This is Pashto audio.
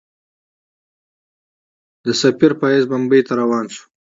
سفیر په حیث بمبیی ته روان سي.